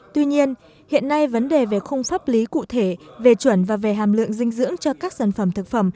tuy nhiên hiện nay vấn đề về khung pháp lý cụ thể về chuẩn và về hàm lượng dinh dưỡng cho các sản phẩm thực phẩm